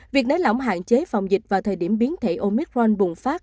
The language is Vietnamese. việc nới lỏng hạn chế phòng dịch vào thời điểm biến thể omicron bùng phát